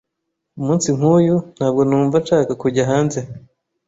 Umunsi nkuyu, ntabwo numva nshaka kujya hanze.